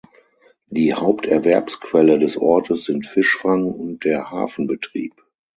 Die Haupterwerbsquelle des Ortes sind Fischfang und der Hafenbetrieb.